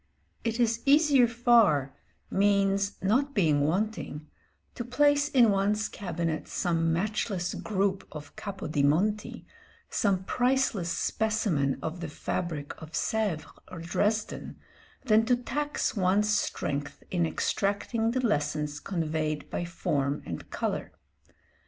It is easier far, means not being wanting, to place in one's cabinet some matchless group of Capo di Monti, some priceless specimen of the fabric of Sèvres or Dresden, than to tax one's strength in extracting the lessons conveyed by form and colour.